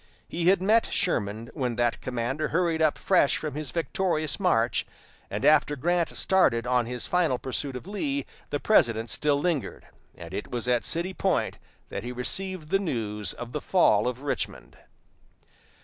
He had met Sherman when that commander hurried up fresh from his victorious march, and after Grant started on his final pursuit of Lee the President still lingered; and it was at City Point that he received the news of the fall of Richmond.